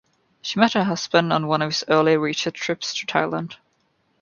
She met her husband on one of his earlier research trips to Thailand.